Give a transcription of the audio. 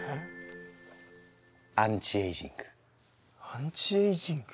アンチエイジング？